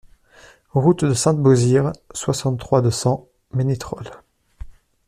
Route de Saint-Beauzire, soixante-trois, deux cents Ménétrol